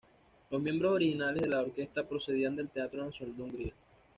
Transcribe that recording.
Los miembros originales de la orquesta procedían del Teatro Nacional de Hungría.